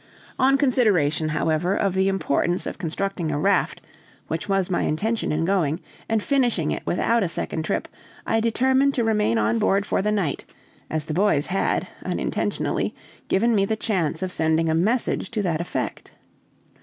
On consideration, however, of the importance of constructing a raft, which was my intention in going, and finishing it without a second trip, I determined to remain on board for the night, as the boys had, unintentionally, given me the chance of sending a message to that effect.